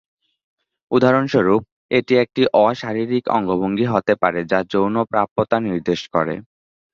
উদাহরণস্বরূপ, এটি একটি অ-শারীরিক অঙ্গভঙ্গি হতে পারে যা যৌন প্রাপ্যতা নির্দেশ করে।